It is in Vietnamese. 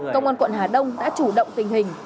công an quận hà đông đã chủ động tình hình